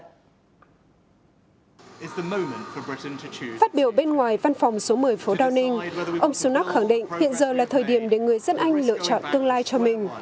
phát biểu bên ngoài văn phòng số một mươi phố downing ông sunak khẳng định hiện giờ là thời điểm để người dân anh lựa chọn tương lai cho mình